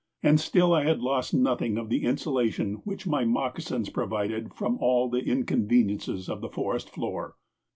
And still I had lost nothing of the insulation which my moccasins provided from all the inconveniences of the forest floor.